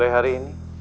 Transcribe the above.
boleh hari ini